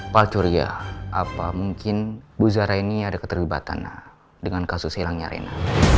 pak curia apa mungkin bu zahra ini ada keterlibatan dengan kasus hilangnya rena